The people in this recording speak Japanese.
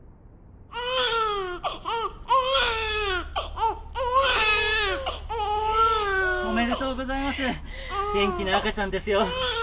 うっ・おめでとうございます元気な赤ちゃんですよ